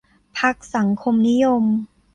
พรรคสังคมนิยม